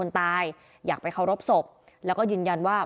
ไม่อยากให้มันเกิดขึ้นหรอก